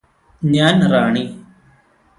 ഞാന് റാണി